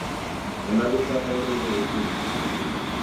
La nave esta aparentemente desierta.